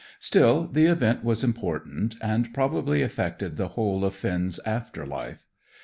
Still, the event was important, and probably affected the whole of Finn's after life.